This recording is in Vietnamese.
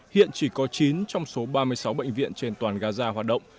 hiện chỉ có chín trong số ba mươi sáu bệnh viện trên toàn gaza hoạt động